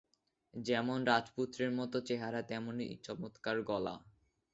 যেমন রাজপুত্রের মতো চেহারা, তেমনি চমৎকার গলা।